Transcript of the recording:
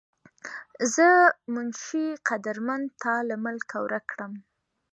زۀ منشي قدرمند تا لۀ ملکه ورک کړم